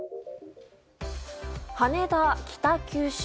羽田北九州